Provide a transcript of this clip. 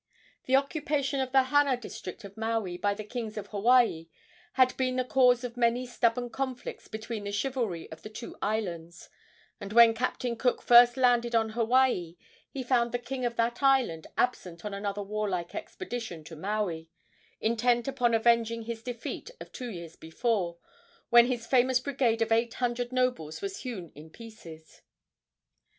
The occupation of the Hana district of Maui by the kings of Hawaii had been the cause of many stubborn conflicts between the chivalry of the two islands, and when Captain Cook first landed on Hawaii he found the king of that island absent on another warlike expedition to Maui, intent upon avenging his defeat of two years before, when his famous brigade of eight hundred nobles was hewn in pieces.